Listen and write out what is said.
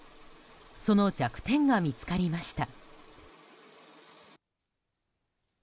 その弱点が見つかりました。